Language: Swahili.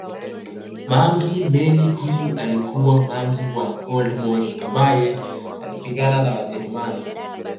Mangi Meli huyu alikuwa mangi wa oldmoshi ambaye alipigana na wajerumani